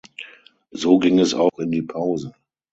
So ging es auch in die Pause.